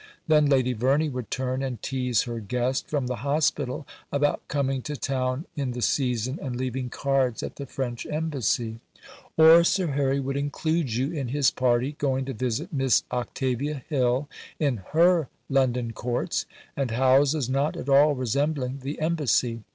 Then Lady Verney would turn and tease her guest from the hospital about coming to town in the season and leaving cards at the French Embassy. Or Sir Harry would include you in his party, going to visit Miss Octavia Hill in her London Courts, and houses not at all resembling the Embassy.